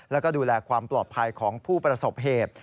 แล้วก็ดูแลความปลอดภัยของผู้ประสบเหตุ